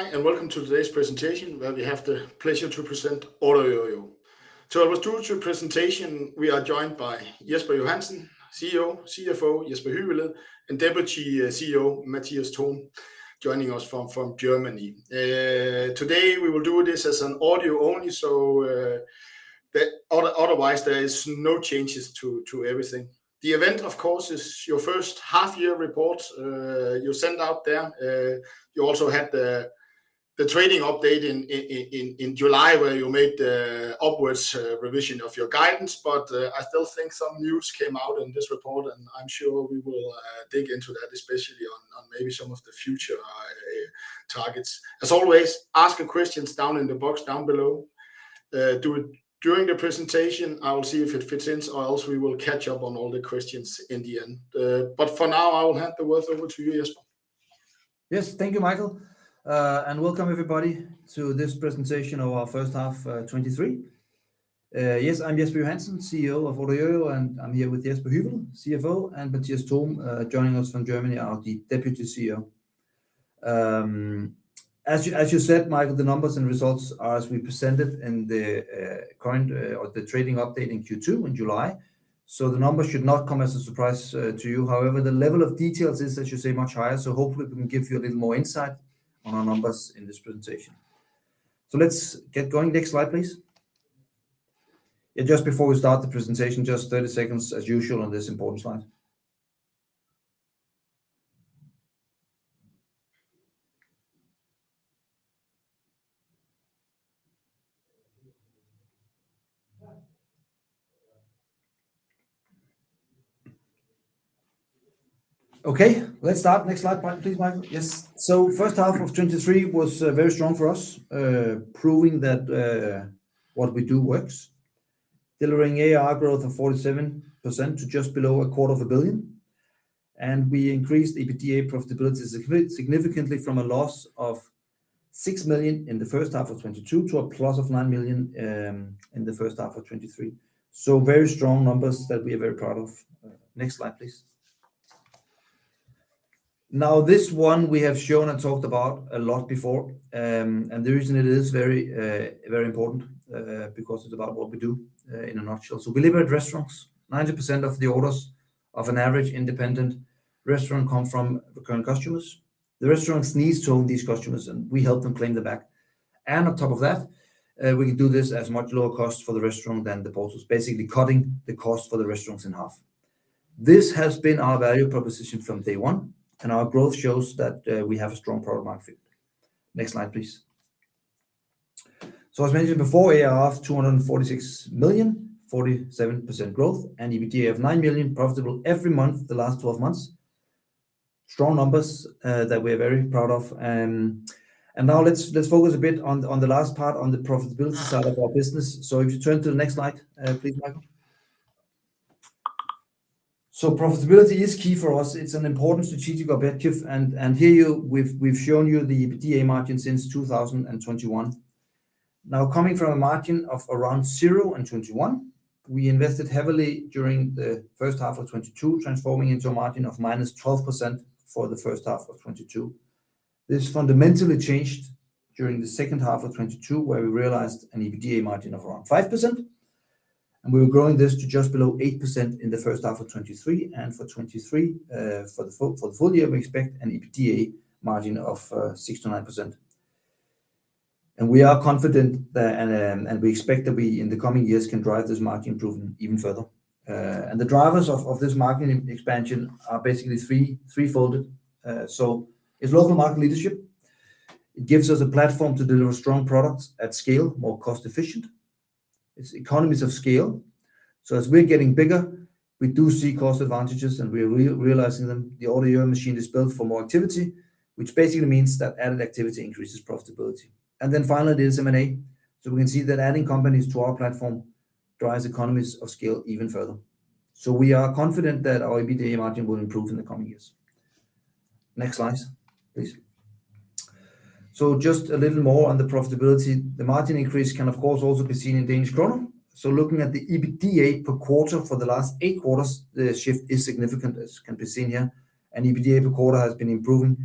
Hi, welcome to today's presentation, where we have the pleasure to present OrderYOYO. To our virtual presentation, we are joined by Jesper Johansen, CEO, CFO, Jesper Hyveled, and Deputy CEO, Matthias Thom, joining us from Germany. Today we will do this as an audio only, otherwise, there is no changes to everything. The event, of course, is your first half-year report you sent out there. You also had the trading update in July, where you made the upwards revision of your guidance. I still think some news came out in this report, and I'm sure we will dig into that, especially on maybe some of the future targets. As always, ask your questions down in the box down below. Do it during the presentation. I will see if it fits in, or else we will catch up on all the questions in the end. For now, I will hand the word over to you, Jesper. Yes. Thank you, Michael. Welcome, everybody, to this presentation of our first half 2023. Yes, I'm Jesper Johansen, CEO of OrderYOYO, I'm here with Jesper Hyveled, CFO, and Matthias Thom, joining us from Germany, our Deputy CEO. As you, as you said, Michael, the numbers and results are as we presented in the current or the trading update in Q2 in July, the numbers should not come as a surprise to you. However, the level of details is, as you say, much higher, hopefully we can give you a little more insight on our numbers in this presentation. Let's get going. Next slide, please. Just before we start the presentation, just 30 seconds, as usual, on this important slide. Let's start. Next slide, please, Michael. Yes. First half of 2023 was very strong for us, proving that what we do works, delivering ARR growth of 47% to just below a quarter of a billion, and we increased EBITDA profitability significantly from a loss of 6 million in the first half of 2022 to a plus of 9 million in the first half of 2023. Very strong numbers that we are very proud of. Next slide, please. This one we have shown and talked about a lot before, and the reason it is very, very important, because it's about what we do in a nutshell. We deliver at restaurants. 90% of the orders of an average independent restaurant come from recurring customers. The restaurants need to own these customers, and we help them claim them back. On top of that, we can do this at much lower cost for the restaurant than the POS was, basically cutting the cost for the restaurants in half. This has been our value proposition from day one, our growth shows that we have a strong product market fit. Next slide, please. As mentioned before, ARR of 246 million, 47% growth, and EBITDA of 9 million, profitable every month, the last 12 months. Strong numbers that we're very proud of. Now let's focus a bit on the last part, on the profitability side of our business. If you turn to the next slide, please, Michael. Profitability is key for us. It's an important strategic objective, here we've shown you the EBITDA margin since 2021. Coming from a margin of around zero in 2021, we invested heavily during the first half of 2022, transforming into a margin of -12% for the first half of 2022. This fundamentally changed during the second half of 2022, where we realized an EBITDA margin of around 5%, and we were growing this to just below 8% in the first half of 2023. For 2023, for the full year, we expect an EBITDA margin of 6%-9%. We are confident that, and we expect that we, in the coming years, can drive this margin improvement even further. The drivers of this margin expansion are basically three-folded. It's local market leadership. It gives us a platform to deliver strong products at scale, more cost-efficient. It's economies of scale, so as we're getting bigger, we do see cost advantages, and we are re-realizing them. The OrderYOYO machine is built for more activity, which basically means that added activity increases profitability. Finally, there's M&A. We can see that adding companies to our platform drives economies of scale even further. We are confident that our EBITDA margin will improve in the coming years. Next slide, please. Just a little more on the profitability. The margin increase can, of course, also be seen in Danish kroner. Looking at the EBITDA per quarter for the last eight quarters, the shift is significant, as can be seen here, and EBITDA per quarter has been improving,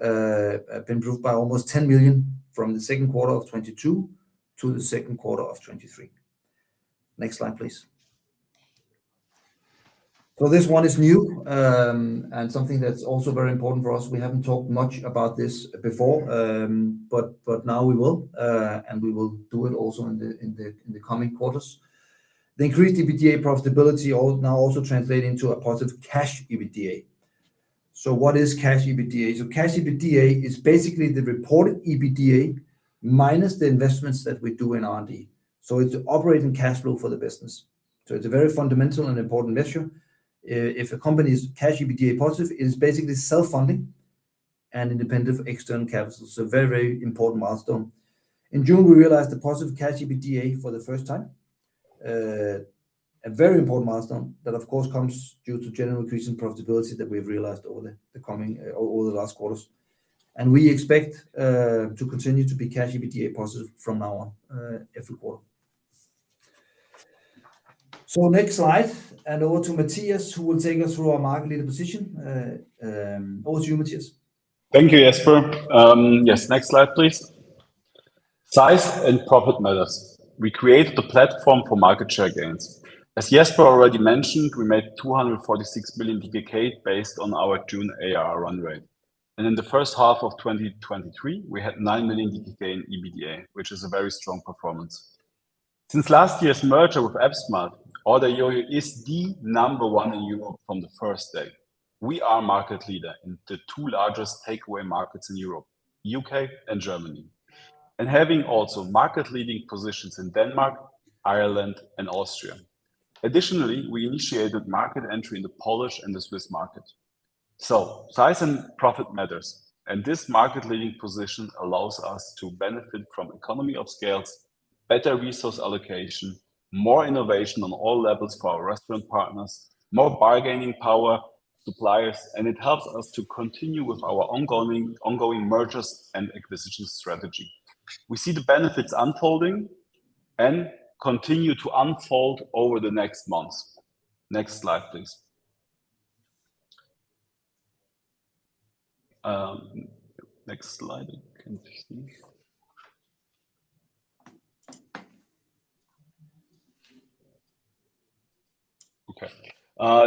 been improved by almost 10 million from the second quarter of 2022 to the second quarter of 2023. Next slide, please. This one is new, and something that's also very important for us. We haven't talked much about this before, but now we will, and we will do it also in the coming quarters. The increased EBITDA profitability now also translating to a positive Cash EBITDA. What is Cash EBITDA? Cash EBITDA is basically the reported EBITDA minus the investments that we do in R&D. It's operating cash flow for the business. It's a very fundamental and important measure. If a company is Cash EBITDA positive, it is basically self-funding and independent of external capital. A very, very important milestone. In June, we realized the positive Cash EBITDA for the first time. A very important milestone that of course, comes due to general increase in profitability that we've realized over the last quarters. We expect to continue to be Cash EBITDA positive from now on, every quarter. Next slide, and over to Matthias, who will take us through our market leader position. over to you, Matthias. Thank you, Jesper. Yes, next slide, please. Size and profit matters. We created the platform for market share gains. As Jesper already mentioned, we made 246 million DKK based on our June ARR runway. In the first half of 2023, we had 9 million DKK in EBITDA, which is a very strong performance. Since last year's merger with app smart, OrderYOYO is the number one in Europe from the first day. We are market leader in the two largest takeaway markets in Europe, U.K. and Germany, and having also market-leading positions in Denmark, Ireland, and Austria. Additionally, we initiated market entry in the Polish and the Swiss market. Size and profit matters, and this market-leading position allows us to benefit from economies of scale, better resource allocation, more innovation on all levels for our restaurant partners, more bargaining power, suppliers, and it helps us to continue with our ongoing mergers and acquisition strategy. We see the benefits unfolding and continue to unfold over the next months. Next slide, please. Next slide, I think. Okay,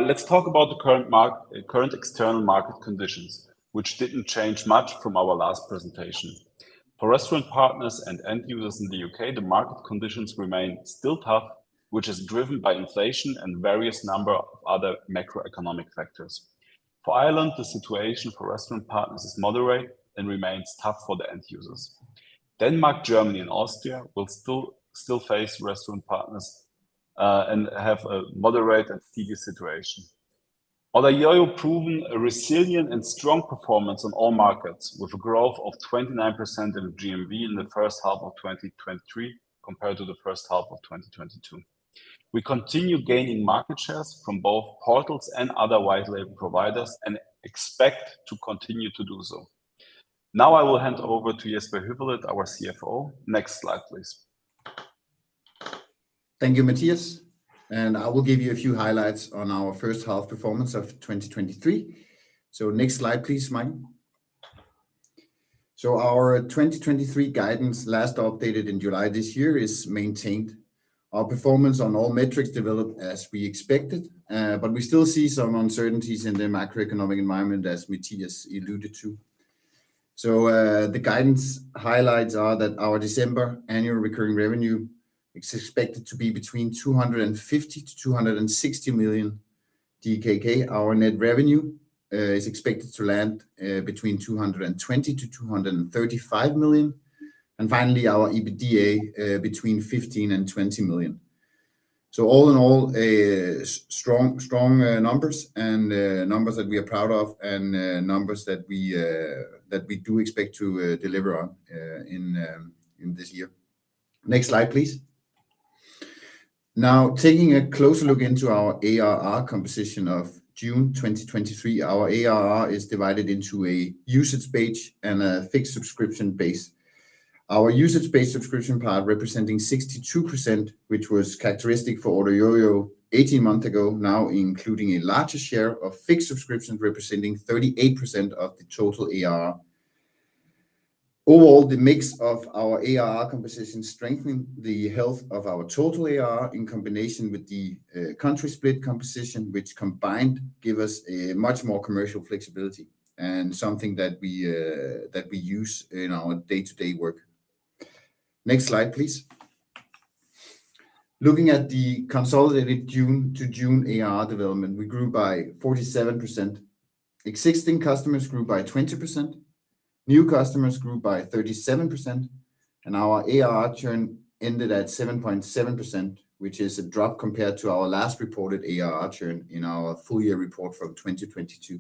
let's talk about the current external market conditions, which didn't change much from our last presentation. For restaurant partners and end users in the U.K., the market conditions remain still tough, which is driven by inflation and various number of other macroeconomic factors. For Ireland, the situation for restaurant partners is moderate and remains tough for the end users. Denmark, Germany, and Austria will still face restaurant partners and have a moderate and steady situation. OrderYOYO proven a resilient and strong performance on all markets, with a growth of 29% in GMV in the first half of 2023, compared to the first half of 2022. We continue gaining market shares from both portals and other white label providers and expect to continue to do so. I will hand over to Jesper Hyveled, our CFO. Next slide, please. Thank you, Matthias, I will give you a few highlights on our first half performance of 2023. Next slide, please, Mike. Our 2023 guidance, last updated in July this year, is maintained. Our performance on all metrics developed as we expected, but we still see some uncertainties in the macroeconomic environment, as Matthias alluded to. The guidance highlights are that our December annual recurring revenue is expected to be between 250 million-260 million DKK. Our net revenue is expected to land between 220 million-235 million, and finally, our EBITDA between 15 million and 20 million. All in all, a strong numbers and numbers that we are proud of and numbers that we do expect to deliver on in this year. Next slide, please. Taking a closer look into our ARR composition of June 2023, our ARR is divided into a usage-based and a fixed subscription base. Our usage-based subscription plan, representing 62%, which was characteristic for OrderYOYO 18 months ago, now including a larger share of fixed subscriptions representing 38% of the total ARR. The mix of our ARR composition strengthen the health of our total ARR, in combination with the country split composition, which combined give us a much more commercial flexibility and something that we use in our day-to-day work. Next slide, please. Looking at the consolidated June-to-June ARR development, we grew by 47%. Existing customers grew by 20%, new customers grew by 37%, Our ARR churn ended at 7.7%, which is a drop compared to our last reported ARR churn in our full year report for 2022.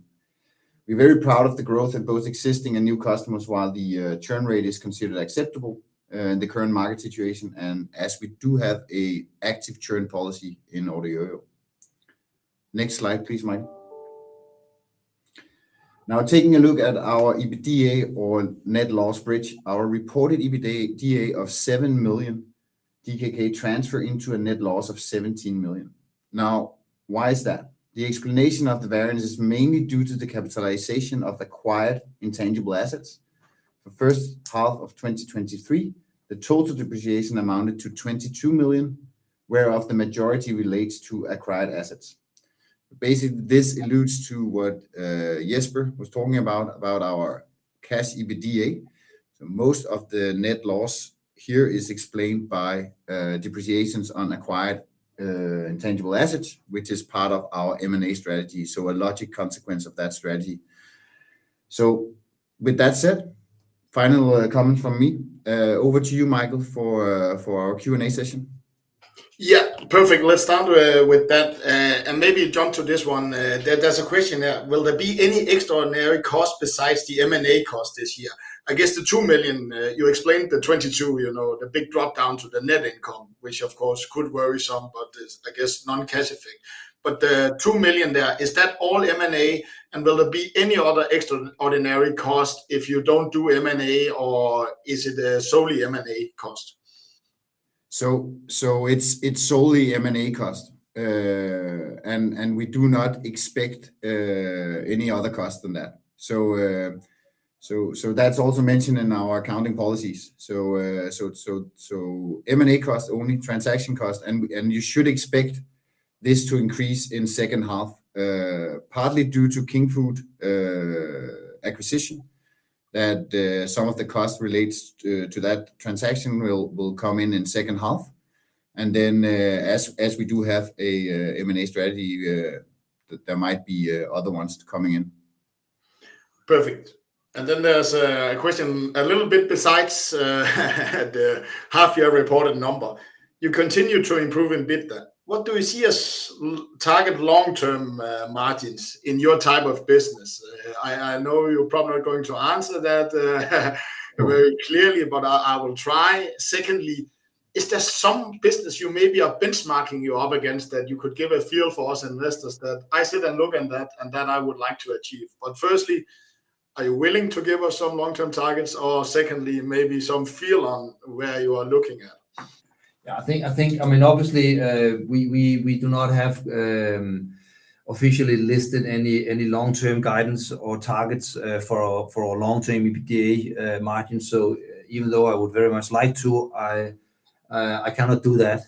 We're very proud of the growth in both existing and new customers, while the churn rate is considered acceptable in the current market situation, As we do have an active churn policy in OrderYOYO. Next slide, please, Mike. Taking a look at our EBITDA or net loss bridge, our reported EBITDA of 7 million transfer into a net loss of 17 million. Why is that? The explanation of the variance is mainly due to the capitalization of acquired intangible assets. For first half of 2023, the total depreciation amounted to 22 million, whereof the majority relates to acquired assets. Basically, this alludes to what Jesper was talking about our Cash EBITDA. Most of the net loss here is explained by depreciations on acquired intangible assets, which is part of our M&A strategy, so a logic consequence of that strategy. With that said, final comment from me. Over to you, Michael, for our Q&A session. Perfect. Let's start with that, and maybe jump to this one. There's a question there: Will there be any extraordinary cost besides the M&A cost this year? I guess the 2 million you explained, the 2022, you know, the big drop down to the net income, which of course, could worry some, but it's I guess, non-cash effect. The 2 million there, is that all M&A, and will there be any other extraordinary cost if you don't do M&A, or is it a solely M&A cost? It's solely M&A cost. And we do not expect any other cost than that. That's also mentioned in our accounting policies. M&A cost, only transaction cost, and you should expect this to increase in second half, partly due to Kingfood acquisition, that some of the cost relates to that transaction will come in second half. As we do have a M&A strategy, there might be other ones coming in. Perfect. There's a question a little bit besides the half-year reported number. You continue to improve in EBITDA. What do you see as target long-term margins in your type of business? I know you're probably not going to answer that very clearly, but I will try. Secondly, is there some business you maybe are benchmarking you up against that you could give a feel for us investors that I sit and look at that, and then I would like to achieve? Firstly, are you willing to give us some long-term targets, or secondly, maybe some feel on where you are looking at? Yeah, I think, I mean, obviously, we do not have officially listed any long-term guidance or targets for our long-term EBITDA margin. Even though I would very much like to, I cannot do that.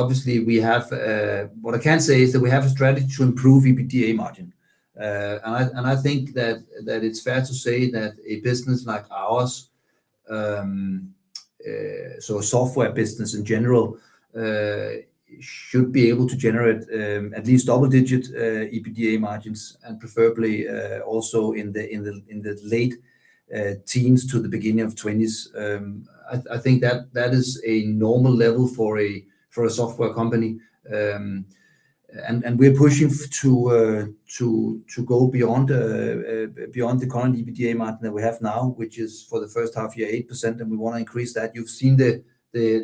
Obviously we have. What I can say is that we have a strategy to improve EBITDA margin. I think that it's fair to say that a business like ours, so a software business in general, should be able to generate at least double-digit EBITDA margins, and preferably also in the late teens to the beginning of 20s. I think that is a normal level for a software company. We're pushing to go beyond the current EBITDA margin that we have now, which is for the first half year, 8%, and we want to increase that. You've seen the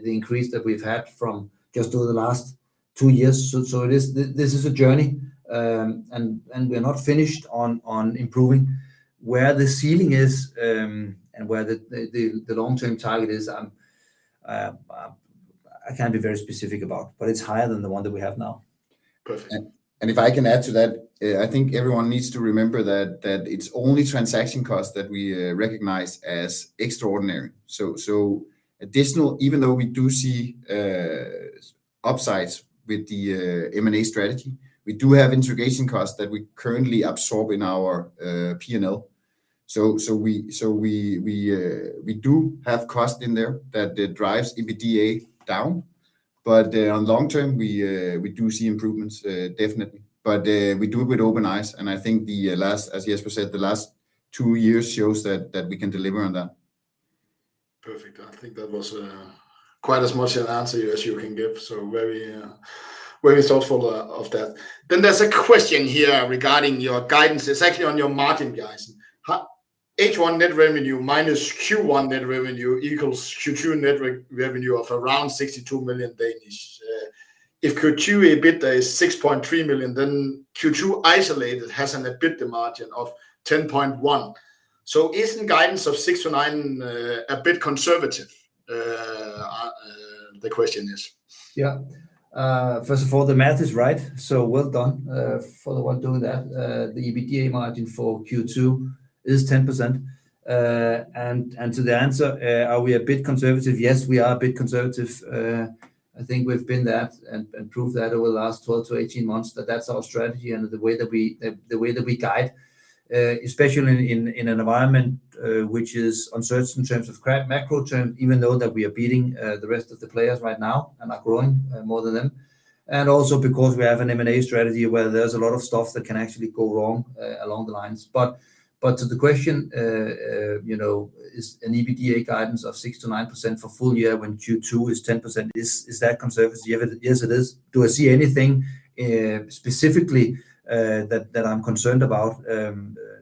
increase that we've had from just over the last two years. This is a journey, and we're not finished on improving. Where the ceiling is, and where the long-term target is, I can't be very specific about, but it's higher than the one that we have now. Perfect. If I can add to that, I think everyone needs to remember that it's only transaction costs that we recognize as extraordinary. Additional, even though we do see upsides with the M&A strategy, we do have integration costs that we currently absorb in our P&L. We do have cost in there that drives EBITDA down, on long term, we do see improvements, definitely. We do it with open eyes, and I think the last, as Jesper said, the last two years shows that we can deliver on that. Perfect. I think that was quite as much an answer as you can give, so very thoughtful of that. There's a question here regarding your guidance. It's actually on your margin guidance. H1 net revenue minus Q1 net revenue equals Q2 net revenue of around 62 million. If Q2 EBITDA is 6.3 million, then Q2 isolated has an EBITDA margin of 10.1%. Isn't guidance of 6%-9% a bit conservative? The question is. First of all, the math is right, so well done for the one doing that. The EBITDA margin for Q2 is 10%. To the answer, are we a bit conservative? Yes, we are a bit conservative. I think we've been that and proved that over the last 12-18 months, that that's our strategy and the way that we guide, especially in an environment which is uncertain in terms of macro term, even though that we are beating the rest of the players right now and are growing more than them. Also because we have an M&A strategy where there's a lot of stuff that can actually go wrong along the lines. To the question, you know, is an EBITDA guidance of 6%-9% for full year when Q2 is 10%, is that conservative? Yes, it is. Do I see anything specifically that I'm concerned about?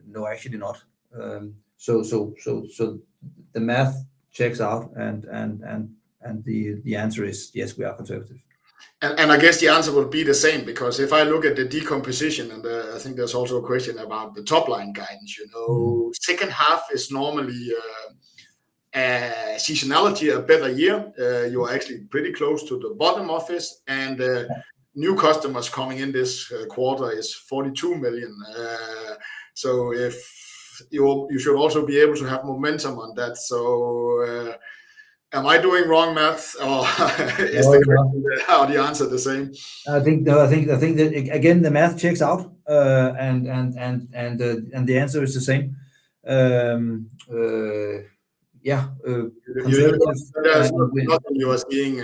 No, actually not. The math checks out, and the answer is yes, we are conservative. I guess the answer would be the same, because if I look at the decomposition and I think there's also a question about the top-line guidance. You know, second half is normally seasonality, a better year. You are actually pretty close to the bottom office, and new customers coming in this quarter is 42 million. You, you should also be able to have momentum on that. Am I doing wrong math, or? No. how the answer the same? I think, no, I think that again, the math checks out. The answer is the same. yeah. There's nothing you are seeing,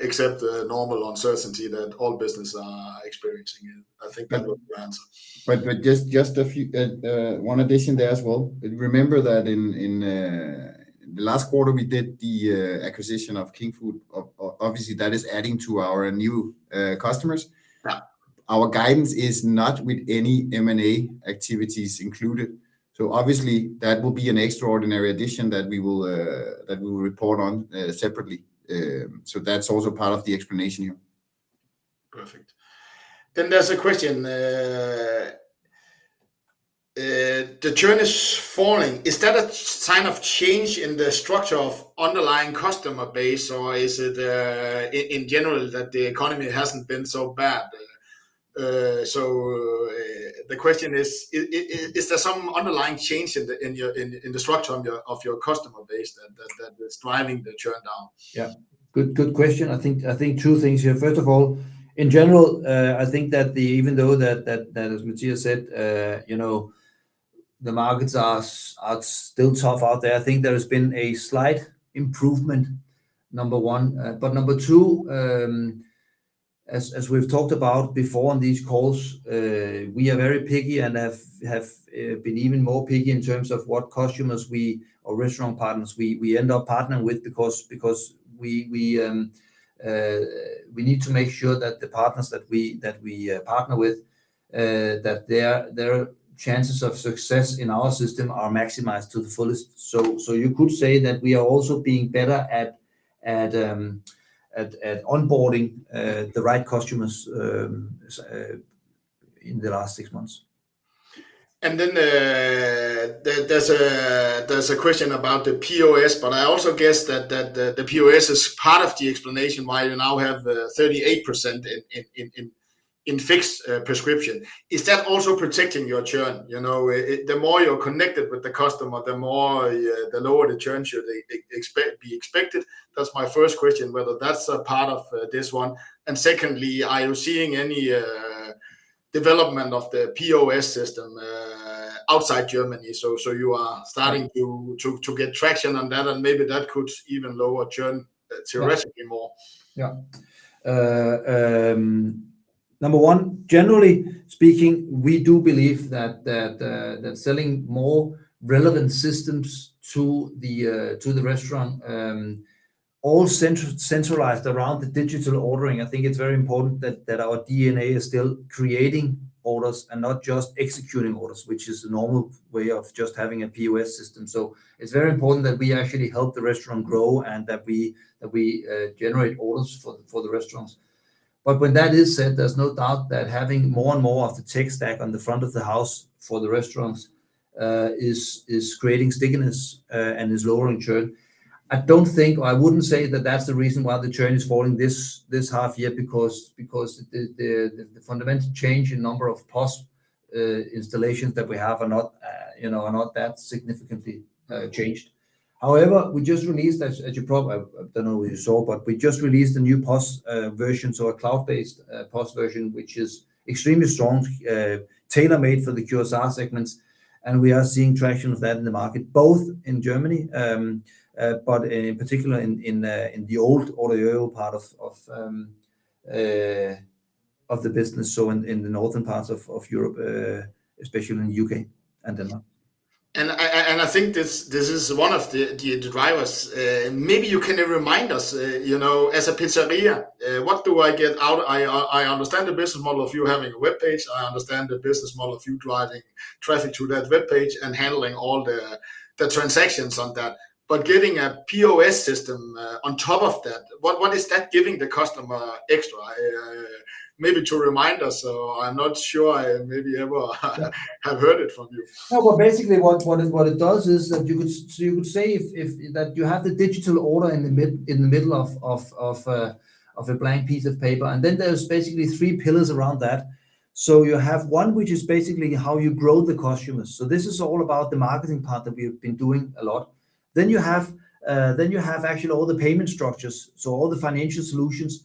except the normal uncertainty that all businesses are experiencing. I think that was the answer. Just a few, one addition there as well. Remember that in the last quarter, we did the acquisition of Kingfood, obviously, that is adding to our new customers. Yeah. Our guidance is not with any M&A activities included. Obviously, that will be an extraordinary addition that we will, that we will report on, separately. That's also part of the explanation here. Perfect. There's a question, the churn is falling. Is that a sign of change in the structure of underlying customer base, or is it, in general that the economy hasn't been so bad? The question is there some underlying change in the, in your, in the structure of your customer base that is driving the churn down? Yeah. Good, good question. I think two things here. First of all, in general, I think that the, even though that as Matthias said, you know, the markets are still tough out there, I think there has been a slight improvement, number one. But number two, as we've talked about before on these calls, we are very picky and have been even more picky in terms of what customers we, or restaurant partners we end up partnering with because we need to make sure that the partners that we partner with, that their chances of success in our system are maximized to the fullest. you could say that we are also being better at onboarding, the right customers, in the last six months. Then there's a question about the POS. I also guess that the POS is part of the explanation why you now have 38% in fixed subscription. Is that also protecting your churn? You know, the more you're connected with the customer, the more the lower the churn should be expected. That's my first question, whether that's a part of this one. Secondly, are you seeing any development of the POS system outside Germany? So you are starting to get traction on that, and maybe that could even lower churn theoretically more. Number one, generally speaking, we do believe that selling more relevant systems to the restaurant, all centralized around the digital ordering, I think it's very important that our D&A is still creating orders and not just executing orders, which is the normal way of just having a POS system. It's very important that we actually help the restaurant grow, and that we generate orders for the restaurants. When that is said, there's no doubt that having more and more of the tech stack on the front of the house for the restaurants, is creating stickiness, and is lowering churn. I don't think, or I wouldn't say that that's the reason why the churn is falling this half year, because the fundamental change in number of POS installations that we have are not, you know, are not that significantly changed. We just released, I don't know whether you saw, but we just released a new POS version, so a cloud-based POS version, which is extremely strong, tailor-made for the QSR segments, and we are seeing traction of that in the market, both in Germany, but in particular, in the old OrderYOYO part of the business, so in the northern parts of Europe, especially in the U.K. and Denmark. I think this is one of the drivers. Maybe you can remind us, you know, as a pizzeria, what do I get out? I understand the business model of you having a web page. I understand the business model of you driving traffic to that web page and handling all the transactions on that. Getting a POS system on top of that, what is that giving the customer extra? Maybe to remind us, or I'm not sure I maybe ever have heard it from you. Basically, what it does is that you could say if that you have the digital order in the middle of a blank piece of paper, there's basically three pillars around that. You have one, which is basically how you grow the customers. This is all about the marketing part that we've been doing a lot. You have actually all the payment structures, all the financial solutions,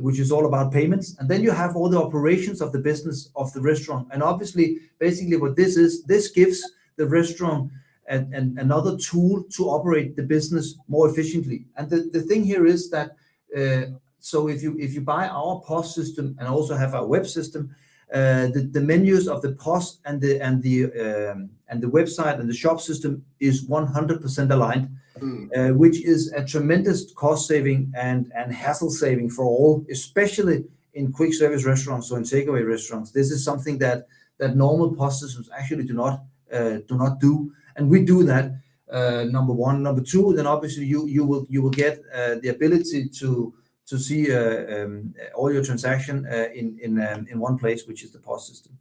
which is all about payments. You have all the operations of the business, of the restaurant. Obviously, basically what this is, this gives the restaurant another tool to operate the business more efficiently. The thing here is that, if you buy our POS system and also have our web system, the menus of the POS and the and the website, and the shop system is 100% aligned. Mm. which is a tremendous cost saving and hassle saving for all, especially in quick service restaurants or in takeaway restaurants. This is something that normal POS systems actually do not do. We do that, number one. Number two, then obviously, you will get the ability to see all your transaction in one place, which is the POS system.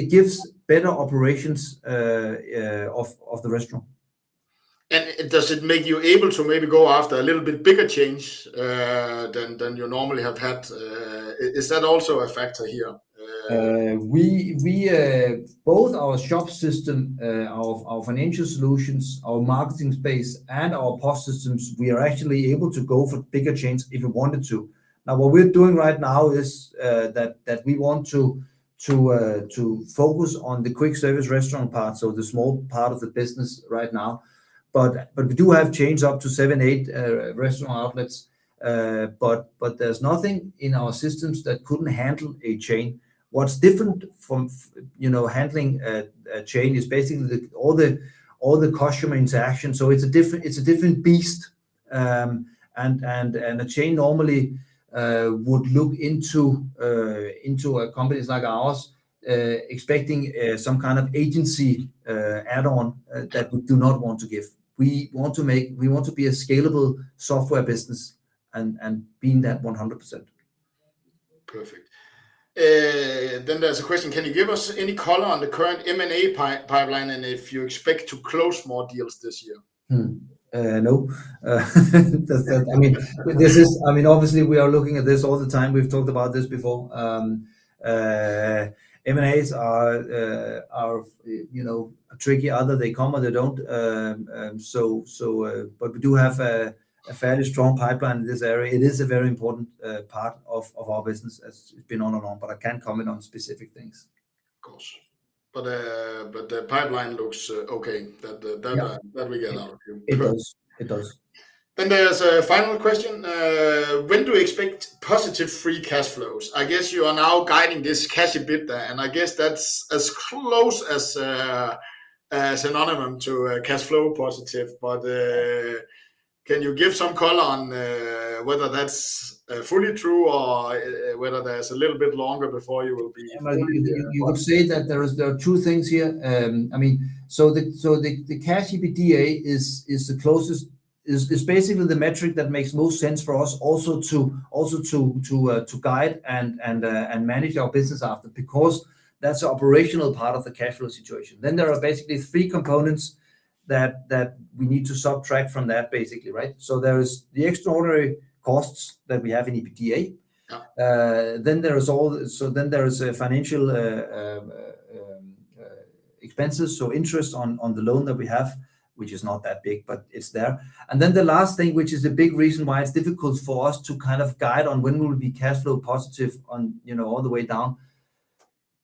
It gives better operations of the restaurant. Does it make you able to maybe go after a little bit bigger chains than you normally have had? Is that also a factor here? We, both our shop system, our financial solutions, our marketing space, and our POS systems, we are actually able to go for bigger chains if we wanted to. What we're doing right now is that we want to focus on the quick service restaurant part, so the small part of the business right now. We do have chains up to seven, eight restaurant outlets. There's nothing in our systems that couldn't handle a chain. What's different from, you know, handling a chain is basically all the customer interaction, so it's a different beast. A chain normally would look into a companies like ours, expecting some kind of agency add-on that we do not want to give. We want to be a scalable software business. Being that 100%. Perfect. There's a question: Can you give us any color on the current M&A pipeline, and if you expect to close more deals this year? No. That, I mean, I mean, obviously we are looking at this all the time. We've talked about this before. M&As are, you know, a tricky, either they come or they don't. So, we do have a fairly strong pipeline in this area. It is a very important part of our business, as it's been on and on, but I can't comment on specific things. Of course. The pipeline looks okay. Yeah That we get out of you. It does. It does. There's a final question: When do you expect positive free cash flows? I guess you are now guiding this Cash EBITDA, and I guess that's as close as synonymous to cash flow positive. Can you give some color on whether that's fully true or whether there's a little bit longer before you will be fully there? You would say that there are two things here. I mean, the Cash EBITDA is the closest, is basically the metric that makes most sense for us also to guide and manage our business after, because that's the operational part of the cash flow situation. There are basically three components that we need to subtract from that, basically, right? There is the extraordinary costs that we have in EBITDA. Yeah. Then there is a financial expenses, so interest on the loan that we have, which is not that big, but it's there. The last thing, which is a big reason why it's difficult for us to kind of guide on when will we be cash flow positive on, you know, all the way down,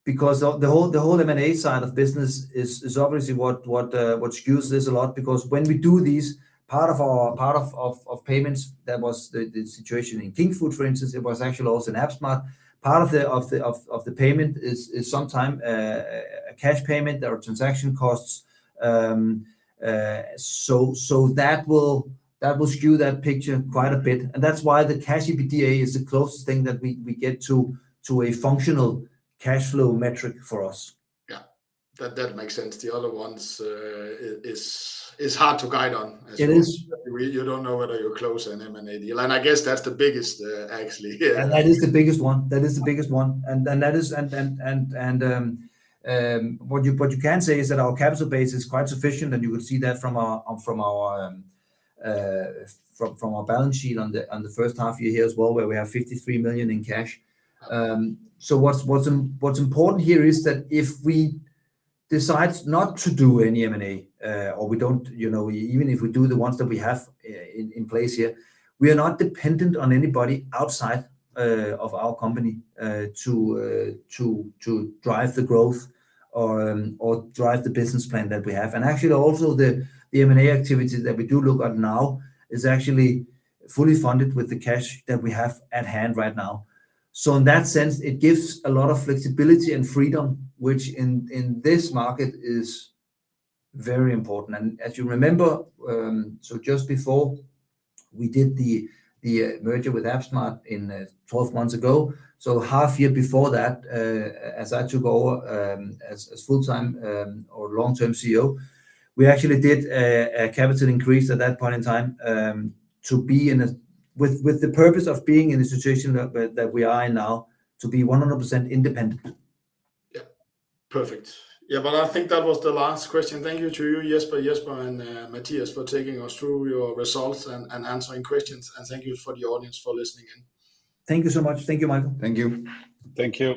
because the whole M&A side of business is obviously what skews this a lot, because when we do these, part of our payments, that was the situation in Kingfood, for instance, it was actually also in app smart. Part of the payment is sometime a cash payment. There are transaction costs. That will skew that picture quite a bit, and that's why the Cash EBITDA is the closest thing that we get to a functional cash flow metric for us. Yeah, that makes sense. The other ones, is hard to guide on, as well. It is. You don't know whether you're close on M&A deal, and I guess that's the biggest, actually, yeah. That is the biggest one. That is... What you can say is that our capital base is quite sufficient, and you will see that from our balance sheet on the first half year here as well, where we have 53 million in cash. What's important here is that if we decide not to do any M&A, or we don't, you know, even if we do the ones that we have in place here, we are not dependent on anybody outside of our company to drive the growth or drive the business plan that we have. Actually, also the M&A activities that we do look at now is actually fully funded with the cash that we have at hand right now. In that sense, it gives a lot of flexibility and freedom, which in this market is very important. As you remember, just before we did the merger with app smart in 12 months ago, half year before that, as I took over as full-time or long-term CEO, we actually did a capital increase at that point in time, with the purpose of being in a situation that we are in now, to be 100% independent. Yeah. Perfect. Yeah, well, I think that was the last question. Thank you to you, Jesper, and Matthias, for taking us through your results and answering questions. Thank you for the audience for listening in. Thank you so much. Thank you, Michael. Thank you. Thank you.